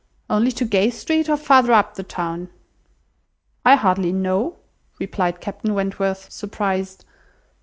Only to Gay Street, or farther up the town?" "I hardly know," replied Captain Wentworth, surprised.